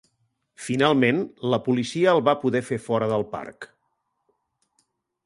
Finalment, la policia el va poder fer fora del parc!